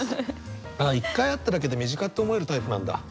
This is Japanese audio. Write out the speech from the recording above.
一回会っただけで身近って思えるタイプなんだ。